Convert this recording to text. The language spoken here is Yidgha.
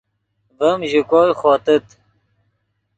ڤیم ژے کوئے خوتیت